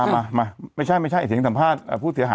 อ๋อถึงเป็นแบบนี้ไม่กินแล้วจับนมเป็นเป็นทำไมท่านหนึ่งปล่อยให้